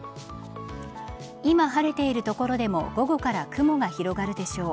今、晴れている所でも午後から雲が広がるでしょう。